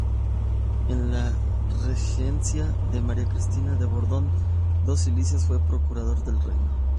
En la regencia de María Cristina de Borbón-Dos Sicilias fue Procurador del Reino.